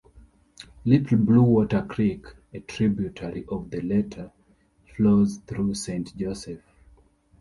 Little Bluewater Creek, a tributary of the latter, flows through Saint Joseph.